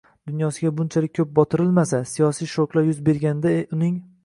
dunyosiga qanchalik ko‘p botirilsa, siyosiy shoklar yuz berganda uning